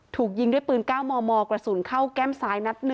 ถูกยิงด้วยปืน๙มมกระสุนเข้าแก้มซ้ายนัด๑